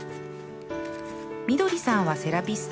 みどりさんはセラピスト